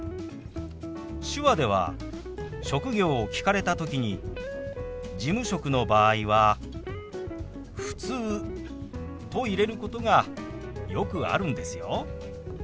手話では職業を聞かれた時に事務職の場合は「ふつう」と入れることがよくあるんですよ。